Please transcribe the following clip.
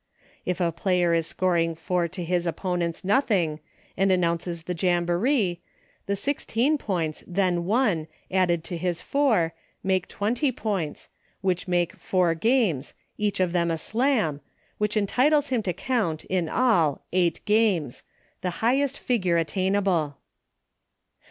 If a player is scoring four to his opponent's nothing, and announces the Jamboree, the sixteen points then won added to his four, make twenty points, which make four games, each of them a Slam, which entitles him to count, in all, eight games — the highest figure attainable.